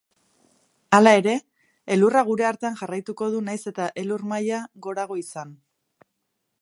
Hala ere, elurra gure artean jarraituko du nahiz eta elur-maila gorago izan.